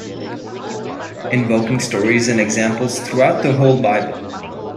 Invoking stories and examples throughout the whole Bible.